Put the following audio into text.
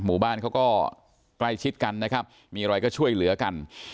หมู่บ้านเขาก็ใกล้ชิดกันนะครับมีอะไรก็ช่วยเหลือกัน